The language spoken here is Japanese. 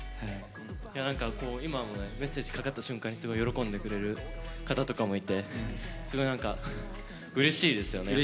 いやなんか今も「Ｍｅｓｓａｇｅ」かかった瞬間にすごい喜んでくれる方とかもいてすごいうれしいですよね。